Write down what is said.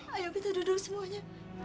ayo kita duduk semuanya